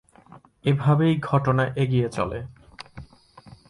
এভাবেই ঘটনা এগিয়ে চলে।